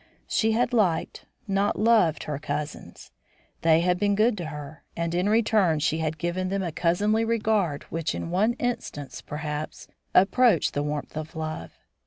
She had liked, not loved her cousins. They had been good to her, and in return she had given them a cousinly regard which in one instance, perhaps, approached the warmth of love.